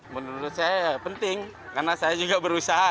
menurut saya penting karena saya juga berusaha